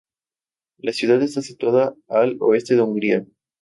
La ciudad está situada al oeste de Hungría.